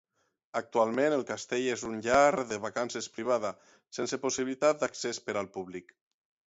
Actualment el castell és una llar de vacances privada, sense possibilitat d'accés per al públic.